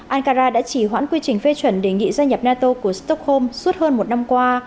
ankara đã chỉ hoãn quy trình phê chuẩn đề nghị gia nhập nato của stockholm suốt hơn một năm qua